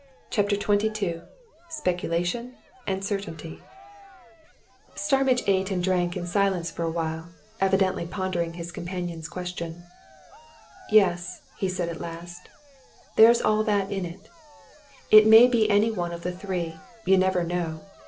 CHAPTER XXII SPECULATION AND CERTAINTY Starmidge ate and drank in silence for awhile, evidently pondering his companion's question. "Yes," he said at last, "there's all that in it. It may be any one of the three. You never know!